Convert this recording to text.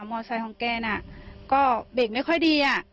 มอเซอร์ของแกน่ะก็เบคไม่ค่อยดีอ่ะ